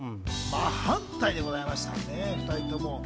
真反対でございましたね、２人とも。